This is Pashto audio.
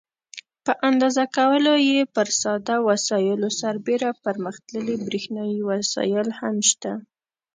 په اندازه کولو کې پر ساده وسایلو سربېره پرمختللي برېښنایي وسایل هم شته.